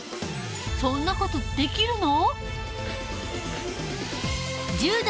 そんな事できるの？